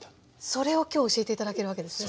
それを今日教えて頂けるわけですね？